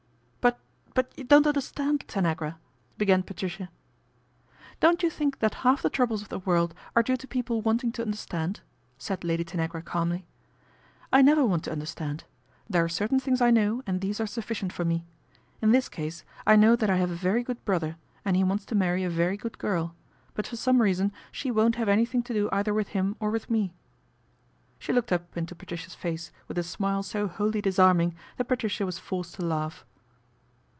' But but you don't understand, Tanagra/' i began Patricia. " Don't you think that half the troubles of the world are due to people wanting to understand ?" said Lady Tanagra calmly. " I never want to understand* There are certain things I know and these are sufficient for me. In this case I know that I have a very good brother and he wants to marry a very good girl ; but for some reason she won't have anything to do either with him or with me." She looked up into Patricia's face with a smile so wholly disarming that Patricia was forced to laugh.